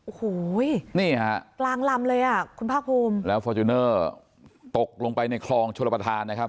โอ้โหนี่ฮะกลางลำเลยอ่ะคุณภาคภูมิแล้วฟอร์จูเนอร์ตกลงไปในคลองชลประธานนะครับ